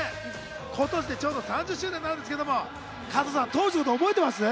今年でちょうど３０周年になるんですけど、加藤さん、当時のこと覚えてます？